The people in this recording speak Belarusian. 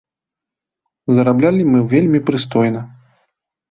Зараблялі мы вельмі прыстойна.